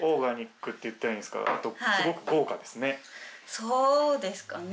そうですかね。